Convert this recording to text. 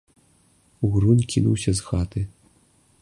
Угрунь кінуўся з хаты.